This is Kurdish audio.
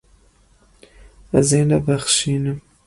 Ez ê nebexşînim.